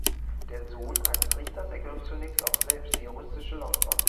Der Sohn eines Richters ergriff zunächst auch selbst die juristische Laufbahn.